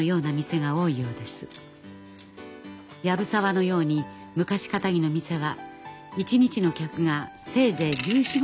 藪沢のように昔かたぎの店は一日の客がせいぜい１４１５人でした。